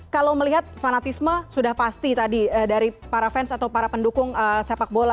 kalau melihat fanatisme sudah pasti tadi dari para fans atau para pendukung sepak bola